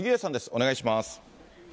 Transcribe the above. お願いします。